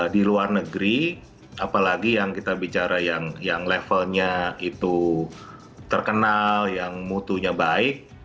di luar negeri apalagi yang kita bicara yang levelnya itu terkenal yang mutunya baik